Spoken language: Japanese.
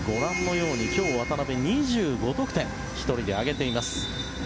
今日、渡邊２５得点を１人で挙げています。